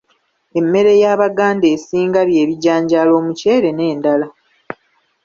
Emmere ya bannaganda esinga by'ebijanjaalo, omuceere n'endala.